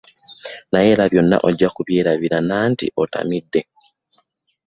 Naye era byonna ojja kubyerabira anti otamidde.